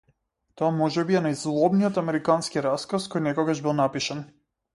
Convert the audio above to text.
Тоа можеби е најзлобниот американски расказ кој некогаш бил напишан.